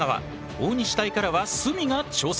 大西隊からは角が挑戦。